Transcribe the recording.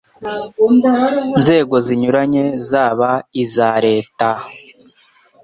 nzego zinyuranye zaba iza Leta